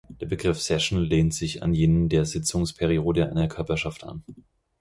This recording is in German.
Der Begriff „Session“ lehnt sich an jenen der Sitzungsperiode einer Körperschaft an.